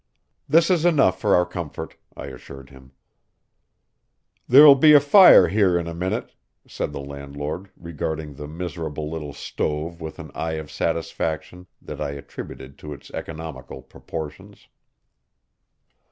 "This is enough for our comfort," I assured him. "There'll be a fire here in a minute," said the landlord, regarding the miserable little stove with an eye of satisfaction that I attributed to its economical proportions.